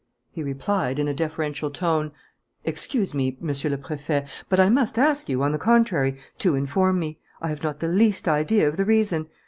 He replied, in a deferential tone: "Excuse me, Monsieur le Préfet, but I must ask you, on the contrary, to inform me. I have not the least idea of the reason.